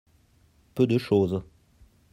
Peu de chose.